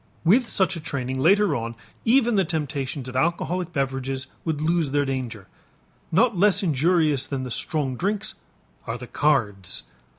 With such a training later on even the temptations of alcoholic beverages would lose their danger. Not less injurious than the strong drinks are the cards.